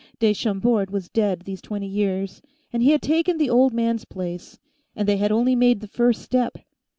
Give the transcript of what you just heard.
De Chambord was dead these twenty years, and he had taken the old man's place, and they had only made the first step.